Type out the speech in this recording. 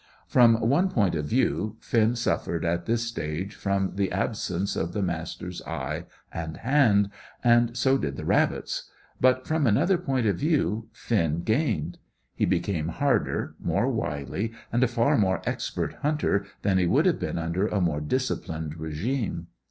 From one point of view, Finn suffered at this stage from the absence of the Master's eye and hand, and so did the rabbits; but, from another point of view, Finn gained. He became harder, more wily, and a far more expert hunter than he would have been under a more disciplined regime.